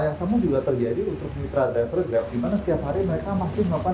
yang sama juga terjadi untuk mitra driver grab dimana setiap hari mereka masih melakukan